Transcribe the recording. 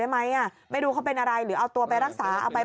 ไหมอ่ะไม่รู้เขาเป็นอะไรหรือเอาตัวไปรักษาเอาไป